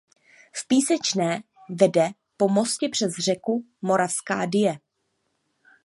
V Písečné vede po mostě přes řeku Moravská Dyje.